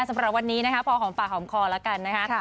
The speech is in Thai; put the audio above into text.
สำหรับวันนี้นะคะพอหอมปากหอมคอแล้วกันนะคะ